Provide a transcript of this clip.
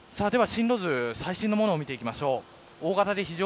進路図、最新のものを見ていきましょう。